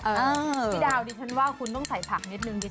พี่ดาวดิฉันว่าคุณต้องใส่ผักนิดนึงดี